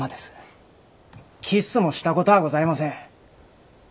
キッスもしたことはございません。